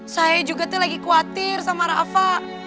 saya juga lagi kuatir sama rafa